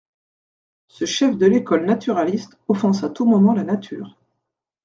Ce chef de l'école naturaliste offense à tout moment la nature.